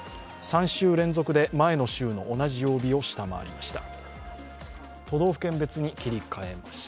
３週連続で前の週の同じ曜日を下回りました。